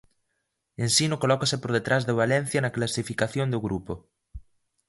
Ensino colócase por detrás do Valencia na clasificación do grupo.